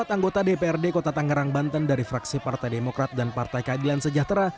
empat anggota dprd kota tangerang banten dari fraksi partai demokrat dan partai keadilan sejahtera